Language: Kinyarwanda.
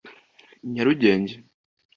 Ciné Elmay (Nyarugenge)